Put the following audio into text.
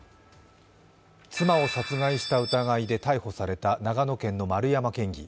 妻を殺害した疑いで逮捕された長野県の丸山県議。